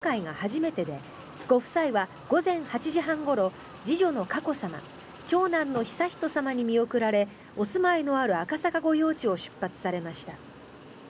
秋篠宮ご夫妻がイギリスを公式に訪問されるのは今回が初めてでご夫妻は午前８時半ごろ次女の佳子さま長男の悠仁さまに見送られお住まいのある赤坂御用地を出発されました。